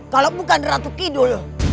kalau bukan ratu kidul